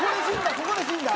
ここで死んだ？